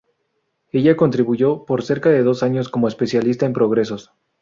Ella contribuyó por cerca de dos años como especialista en progresos.